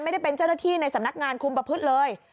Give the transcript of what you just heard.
ไม่ได้เป็นเจ้าหน้าที่ในสำนักงานคุมประพฤติเลย